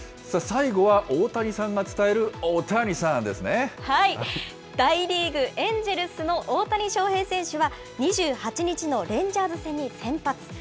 最後は大谷さんが伝える、大リーグ・エンジェルスの大谷翔平選手は、２８日のレンジャーズ戦に先発。